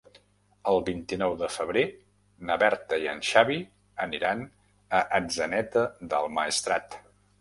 El vint-i-nou de febrer na Berta i en Xavi aniran a Atzeneta del Maestrat.